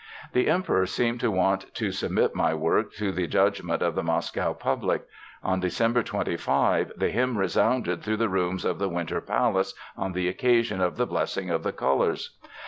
The Emperor seemed to want to submit my work to the judgment of the Moscow public. On December 25 the hymn resounded through the rooms of the Winter Palace on the occasion of the blessing of the colors.